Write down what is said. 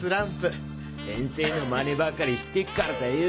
先生の真似ばかりしてっからだよ！